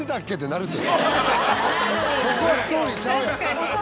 そこはストーリーちゃうやん。